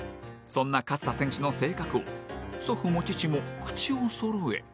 そんな勝田選手の性格を祖父も父も口をそろえ。